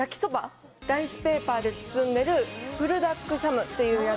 ライスペーパーで包んでるブルダックサムっていうやつで。